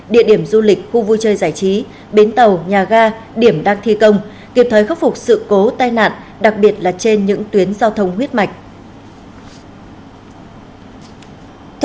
địa điểm du lịch khu vui chơi giải trí bến tàu nhà ga điểm đang thi công kịp thời khắc phục sự cố tai nạn đặc biệt là trên những tuyến giao thông huyết mạch